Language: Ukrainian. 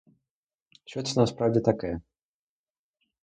Що це справді таке?!